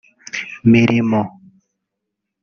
Mirimo